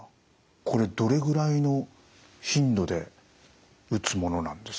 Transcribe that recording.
これどれぐらいの頻度で打つものなんですか？